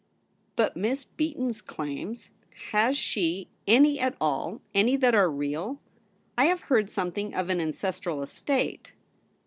* But Miss Beaton's claims ? Has she any at all — any that are real ? I have heard something of an ancestral estate.'